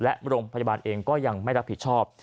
และโรงพยาบาลเองก็ยังไม่รับผิดชอบ